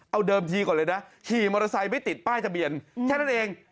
เอาเดิมทีก่อนเลยนะขี่มอเตอร์ไซค์ไม่ติดป้ายทะเบียนแค่นั้นเอง